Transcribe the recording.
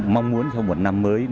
mong muốn cho một năm mới